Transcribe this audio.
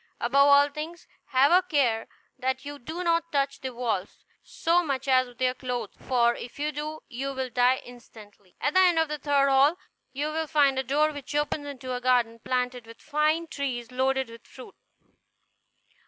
Above all things, have a care that you do not touch the walls, so much as with your clothes; for if you do, you will die instantly. At the end of the third hall, you will find a door which opens into a garden, planted with fine trees loaded with fruit.